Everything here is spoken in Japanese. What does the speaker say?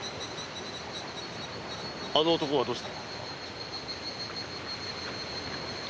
あの男はどうした？